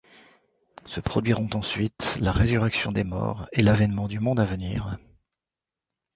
Se produiront ensuite la résurrection des morts et l'avènement du monde à venir.